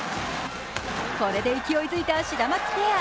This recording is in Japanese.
これで勢いづいたシダマツペア。